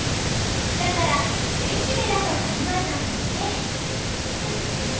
だからめしべだと考えたんだね。